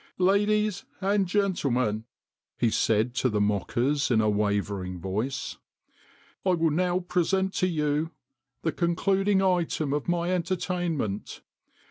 " Ladies and gentlemen," he said to the mockers in a wavering voice, "I will now present to you the concluding item of my entertainment.